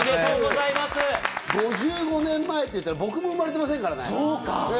５５年前って言ったら僕も生まれてませんからね。